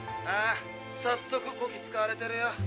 ああさっそくこき使われてるよ。